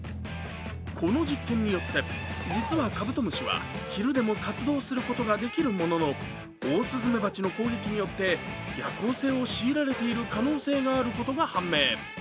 この実験によって、実はカブトムシは昼でも活動することができるもののオオスズメバチの攻撃によって夜行性を強いられている可能性があることが判明。